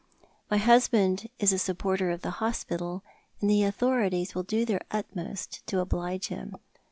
My husband is a supporter of the hospital, and the authorities will do their utmost to oblige him.